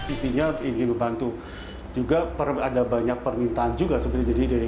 intinya ingin membantu juga ada banyak permintaan juga sebenarnya dari